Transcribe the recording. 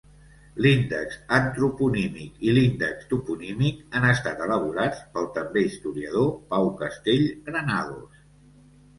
L’índex antroponímic i l’índex toponímic han estat elaborats pel també historiador Pau Castell Granados.